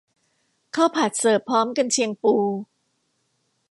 ข้าวผัดเสิร์ฟพร้อมกรรเชียงปู